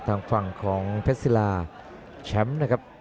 ทางฝั่งของเพชรศิลาแชมป์นะครับ